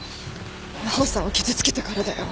真帆さんを傷つけたからだよ。